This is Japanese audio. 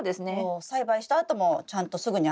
栽培したあともちゃんとすぐに洗えて。